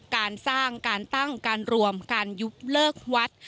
การสร้างการตั้งการรวมการยุบเลิกวัด